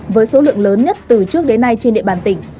với số lượng lớn nhất từ trước đến nay trên địa bàn tỉnh